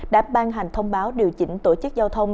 đã ban hành thông báo điều chỉnh tổ chức giao thông